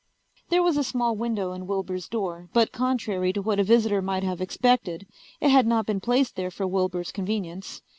There was a small window in Wilbur's door, but contrary to what a visitor might have expected, it had not been placed there for Wilbur's convenience.